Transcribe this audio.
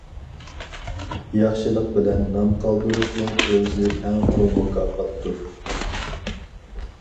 ياخشىلىق بىلەن نام قالدۇرۇشنىڭ ئۆزى ئەڭ چوڭ مۇكاپاتتۇر.